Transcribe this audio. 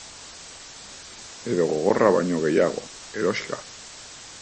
Edo, gogorra baino gehiago, eroxka.